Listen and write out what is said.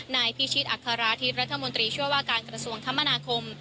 นายพิชิตอัคราธิบรัฐมนตรีช่วยว่าการกระทรวงคมนาคม